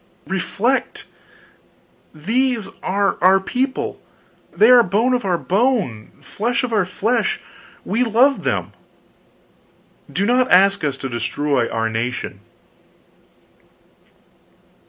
reflect! these people are our people, they are bone of our bone, flesh of our flesh, we love them do not ask us to destroy our nation!"